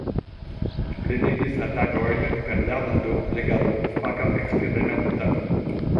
Li plenigis la tagojn per lernado, legado, faka eksperimentado.